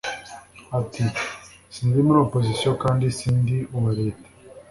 Ati “ Si ndi muri opposition kandi sindi uwa leta